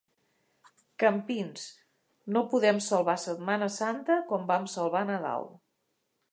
Campins: “No podem salvar Setmana Santa com vam salvar Nadal”